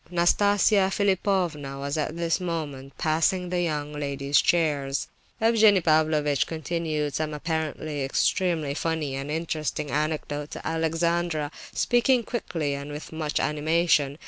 Nastasia Philipovna was at this moment passing the young ladies' chairs. Evgenie Pavlovitch continued some apparently extremely funny and interesting anecdote to Alexandra, speaking quickly and with much animation.